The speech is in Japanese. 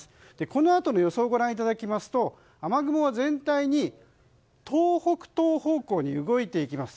このあとの予想をご覧いただきますと雨雲は全体に東北東方向に動いていきます。